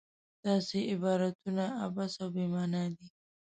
داسې عبارتونه عبث او بې معنا دي.